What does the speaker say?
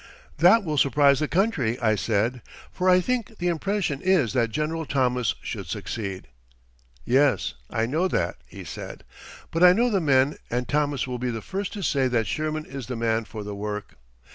"That will surprise the country," I said, "for I think the impression is that General Thomas should succeed." "Yes, I know that," he said, "but I know the men and Thomas will be the first to say that Sherman is the man for the work.